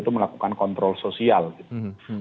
itu melakukan kontrol sosial gitu